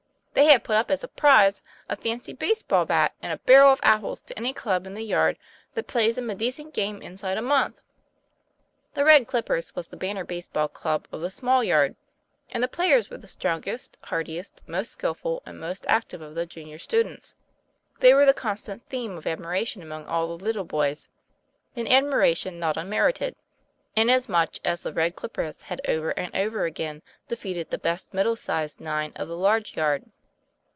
"They have put up, as a prize, a fancy base ball bat and a barrel of apples to any club in the yard that plays 'em a decent game inside of a month." The "Red Clippers" was the banner base ball club of the small yard, and the players were the strongest, hardiest, most skilful and most active of the junior students. They were the constant theme of admiration among all the little boys, an admi ration not unmerited, inasmuch as the Red Clippers had over and over again defeated the best middle sized nine of the large yard.